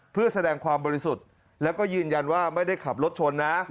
เพื่อแสดงความบริสุทธิ์แล้วก็ยืนยันว่าไม่ได้ขับรถชนนะ